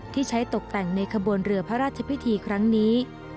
ที่ใช้ตกแต่งในขบวนเรือพระราชพิธีครั้งนี้